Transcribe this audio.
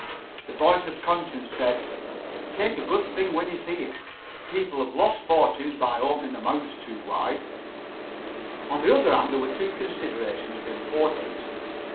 The voice of conscience said: "Take a good thing when you see it. People have lost fortunes by opening their mouths too wide." On the other hand there were two considerations of importance.